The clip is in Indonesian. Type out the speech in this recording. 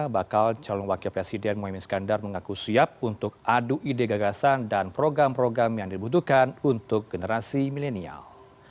bakal calon wakil presiden muhaymin iskandar mengaku siap untuk adu ide gagasan dan program program yang dibutuhkan untuk generasi milenial